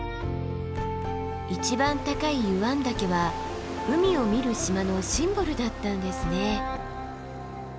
一番高い湯湾岳は海を見る島のシンボルだったんですね。